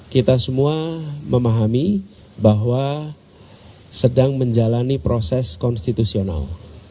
kita semua memahami bahwa sedang menjalani proses konstitusional